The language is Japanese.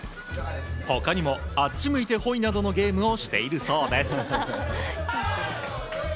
ほかにも、あっち向いてほいなどのゲームをしているそうです。